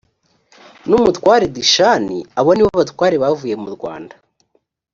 n umutware dishani abo ni bo batware bavuye murwanda